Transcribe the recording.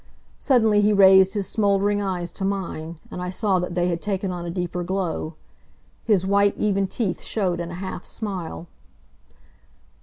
Suddenly he raised his smoldering eyes to mine, and I saw that they had taken on a deeper glow. His white, even teeth showed in a half smile.